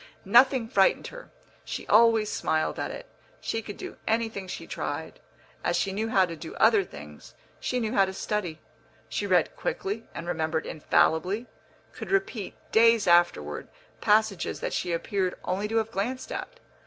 Nothing frightened her; she always smiled at it, she could do anything she tried. As she knew how to do other things, she knew how to study; she read quickly and remembered infallibly; could repeat, days afterward, passages that she appeared only to have glanced at.